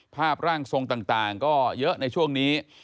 ภาพร่างทรงต่างก็เยอะในช่วงนี้